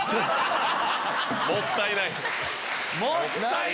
もったいない！